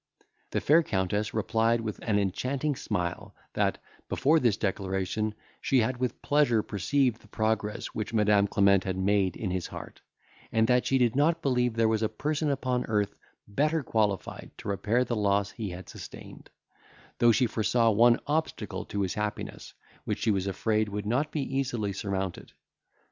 The fair Countess replied, with an enchanting smile, that, before this declaration, she had with pleasure perceived the progress which Madam Clement had made in his heart; and that she did not believe there was a person upon earth better qualified to repair the loss he had sustained; though she foresaw one obstacle to his happiness, which she was afraid would not be easily surmounted.